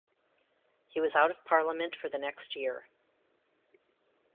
He was out of Parliament for the next year.